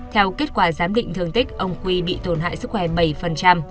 theo kết quả giám định thương tích ông quy bị tổn hại sức khỏe bảy